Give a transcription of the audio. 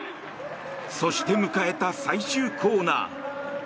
そして迎えた最終コーナー。